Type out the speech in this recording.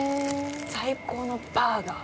最高のバーガー！